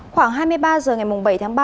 khoảng hai mươi ba h ngày bảy tháng ba